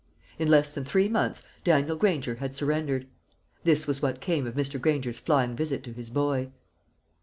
In less than three months Daniel Granger had surrendered. This was what came of Mr. Granger's flying visit to his boy.